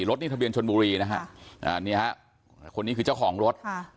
รถนี่ทะเบียนชนบุรีนะฮะนี่ฮะคนนี้คือเจ้าของรถ